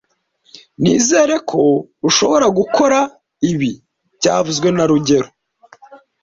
Nizere ko ushobora gukora ibi byavuzwe na rugero